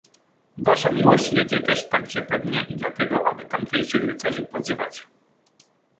"Wasza Miłość jedzie też także pewnie i dla tego, aby tamtejszych rycerzy pozywać."